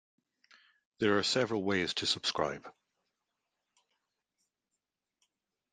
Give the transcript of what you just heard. There are several ways to subscribe.